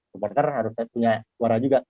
supporter harus saya punya suara juga